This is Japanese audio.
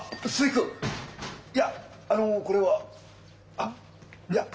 あっいや。